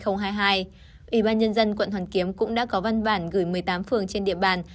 ủy ban nhân dân quận hoàn kiếm cũng đã có văn bản gửi một mươi tám phường trên địa bàn